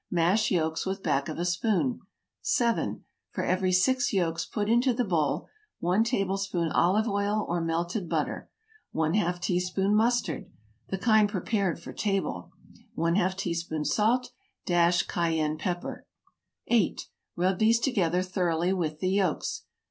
Mash yolks with back of a spoon. 7. For every 6 yolks, put into the bowl 1 tablespoon olive oil or melted butter ½ teaspoon mustard (the kind prepared for table) ½ teaspoon salt dash cayenne pepper 8. Rub these together thoroughly with the yolks.